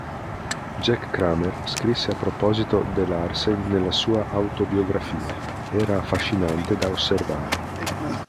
Jack Kramer scrisse a proposito de Larsen nella sua autobiografia:"Era affascinante da osservare.